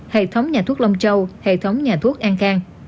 hệ thống nhà thuốc long châu hệ thống nhà thuốc an khang